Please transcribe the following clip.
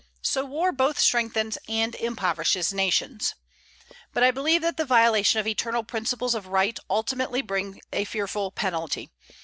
So war both strengthens and impoverishes nations. But I believe that the violation of eternal principles of right ultimately brings a fearful penalty.